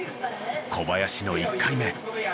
小林の１回目。